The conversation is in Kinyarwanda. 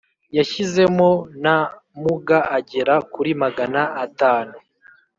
yashyizemo n’amuga agera kuri magana atanu